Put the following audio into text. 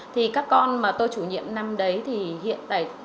thì các con mà tôi chủ nhiệm năm đấy thì hiện tại